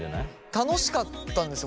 楽しかったんですよ。